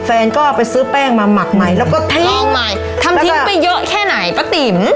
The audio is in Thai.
แฟนก็ไปซื้อแป้งมาหมักใหม่แล้วก็ทะลองใหม่ทำทิ้งไปเยอะแค่ไหนป้าติ๋ม